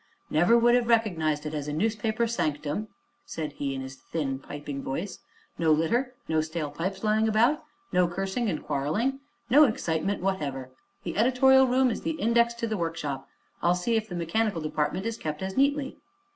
"Never would have recognized it as a newspaper sanctum," said he in his thin, piping voice. "No litter, no stale pipes lying about, no cursing and quarreling, no excitement whatever. The editorial room is the index to the workshop; I'll see if the mechanical department is kept as neatly."